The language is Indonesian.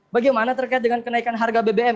bagaimana terkait dengan kenaikan harga bbm